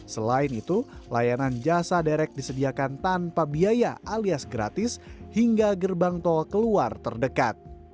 selain itu layanan jasa derek disediakan tanpa biaya alias gratis hingga gerbang tol keluar terdekat